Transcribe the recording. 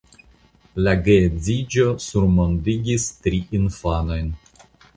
La geedziĝo surmondigis tri infanojn.